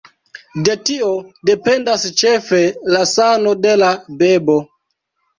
De tio dependas ĉefe la sano de la bebo.